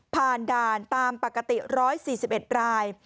ผ่านด่านตามปกติ๑๔๑ราย